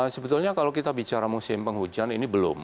sebetulnya kalau kita bicara musim penghujan ini belum